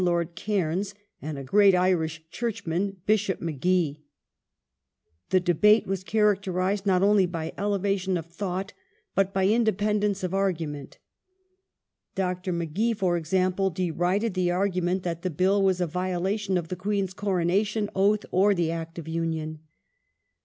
Lord Cairns, and a great Irish Churchman, Bishop Magee. The debate was characterized not only by elevation of thought but by independence of argument. Dr. Magee, for example, derided the argument that the Bill was a violation of the Queen's Coronation Oath or of the Act of Union.